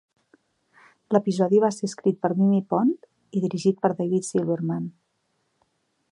L'episodi va ser escrit per Mimi Pond i dirigit per David Silverman.